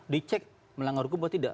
dicek melanggar hukum atau tidak